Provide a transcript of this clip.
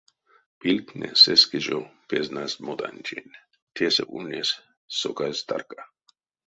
Пильгтне сеске жо пезнасть модантень: тесэ ульнесь соказь тарка.